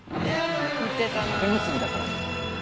縦結びだから。